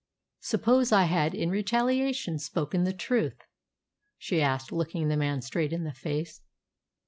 "Suppose I had, in retaliation, spoken the truth?" she asked, looking the man straight in the face.